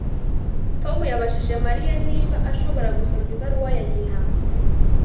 Tom yabajije Mariya niba ashobora gusoma ibaruwa ya nyina